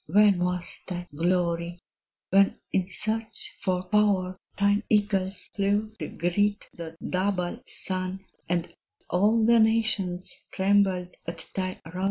When was thy glory! when in search for power Thine eagles flew to greet the double sun, And all the nations trembled at thy rod?